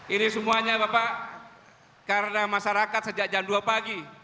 ini semuanya bapak karena masyarakat sejak jam dua pagi